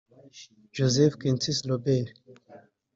Joseph Jenkins Roberts